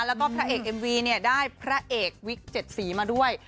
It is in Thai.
แล้วก็พระเอกเอ็มวีเนี่ยได้พระเอกวิก๗สีมาด้วย